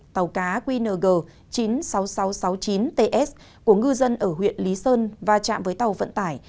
tàu cá qng chín mươi sáu nghìn sáu trăm sáu mươi chín ts của ngư dân ở huyện lý sơn và chạm với tàu vận tải